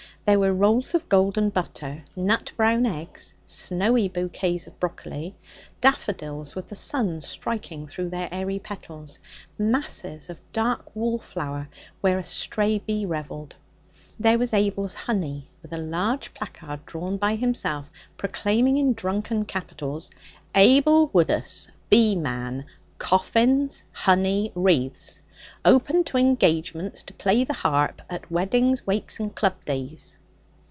There were rolls of golden butter, nut brown eggs, snowy bouquets of broccoli, daffodils with the sun striking through their aery petals, masses of dark wallflower where a stray bee revelled. There was Abel's honey, with a large placard drawn by himself proclaiming in drunken capitals: ABEL WOODUS. BEE MAN. COFFINS. HONEY. WREATHS. OPEN TO ENGAGEMENTS TO PLAY THE HARP AT WEDDINGS, WAKES AND CLUB DAYS.